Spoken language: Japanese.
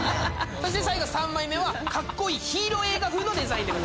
最後３枚目はカッコいいヒーロー映画風のデザインです。